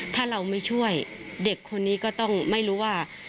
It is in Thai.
ถ้าเราไม่ช่วยเด็กคนนี้ก็ต้องไม่รู้ว่า